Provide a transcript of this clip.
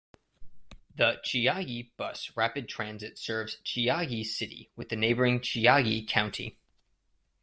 The Chiayi Bus Rapid Transit serves Chiayi City with the neighboring Chiayi County.